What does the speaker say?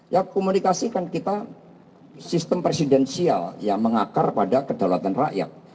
ya komunikasi kan kita sistem presidensial ya mengakar pada kedaulatan rakyat